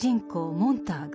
モンターグ。